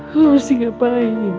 aku harus di ngapain